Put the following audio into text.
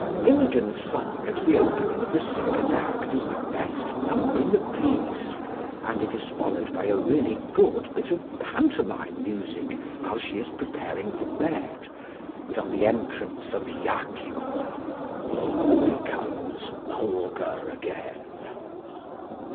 Imogen's song at the opening of the second act is the best number in the piece, and it is followed by a really good bit of pantomime music while she is preparing for bed; but on the entrance of Iachimo all becomes vulgar again.